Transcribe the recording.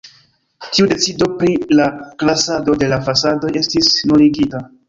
Tiu decido pri la klasado de la fasadoj estis nuligita.